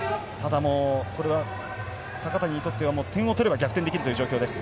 高谷にとっては点を取れば逆転できるという状況です。